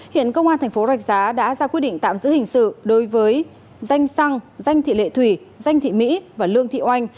hiện công an thành phố rạch giá đã ra quyết định tạm giữ hình sự đối với danh xăng danh thị lệ thủy danh thị mỹ và lương thị oanh